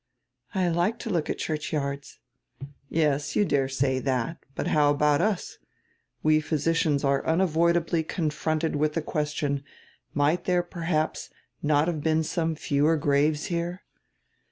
"I like to look at churchyards." "Yes, you dare say diat. But how about us? We physi cians are unavoidably confronted with die question, might diere, perhaps, not have been some fewer graves here?